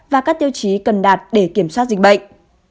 và các tiêu chí cần đạt để kiểm soát dịch bệnh